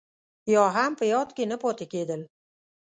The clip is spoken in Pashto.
يا هم په ياد کې نه پاتې کېدل.